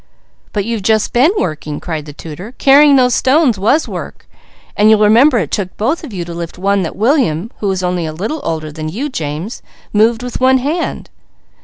"But you've just been working!" cried the tutor. "Carrying those stones was work, and you'll remember it took both of you to lift one that William, who is only a little older than you, James, moved with one hand.